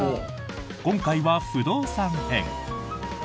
今回は不動産編。